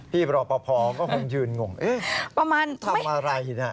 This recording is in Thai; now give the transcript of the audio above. พี่บรอปภก็คงยืนงงเอ๊ะทำอะไรน่ะ